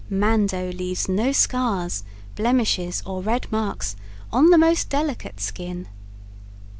Mando leaves no scars, blemishes or red marks on the most delicate skin.